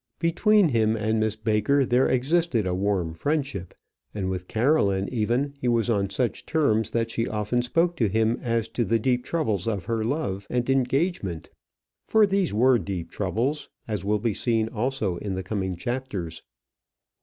Between him and Miss Baker there existed a warm friendship, and with Caroline, even, he was on such terms that she often spoke to him as to the deep troubles of her love and engagement. For these were deep troubles, as will be seen also in the coming chapters.